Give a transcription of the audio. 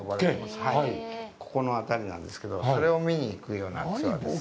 ここの辺りなんですけどそれを見に行くようなツアーです。